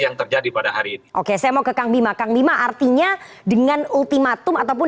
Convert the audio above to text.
yang terjadi pada hari ini oke saya mau ke kang bima kang bima artinya dengan ultimatum ataupun